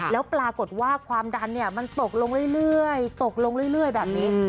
แล้วปรากฏว่าความดันมันตกลงเรื่อยแบบนี้